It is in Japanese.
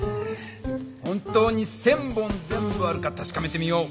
本当に１，０００本全部あるか確かめてみよう。